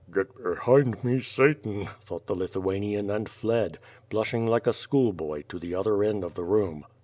Get behind me Satan! thouc^ht the Lithuanian and fled, blushing like a school boy, to the other end of the room.